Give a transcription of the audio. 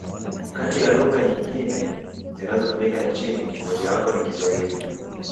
Kati ya lugha nyingine zinazotumika nchini, mojawapo ni Kiswahili.